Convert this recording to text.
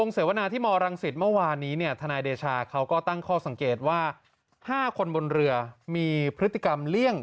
เขาทำงานเงียบมากนะทำงานเงียบจริง